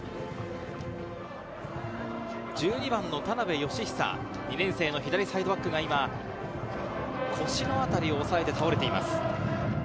１２番の田辺幸久・２年生の左サイドバックが今、腰の辺りを押さえて倒れています。